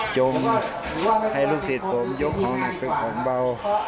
จมให้ลูกศิษย์ผมยกของเป็นของเบา